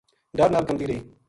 ڈر نال کَمتی رہی